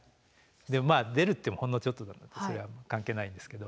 でも出ると言ってもほんのちょっとなのでそれは関係ないんですけど。